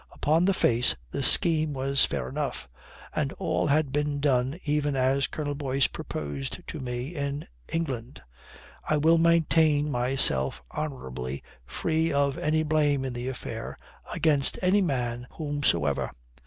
Upon the face, the scheme was fair enough, and all had been done even as Colonel Boyce proposed to me in England. I will maintain myself honourably free of any blame in the affair against any man whomsoever."